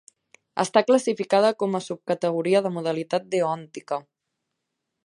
Està classificada com a subcategoria de modalitat deòntica.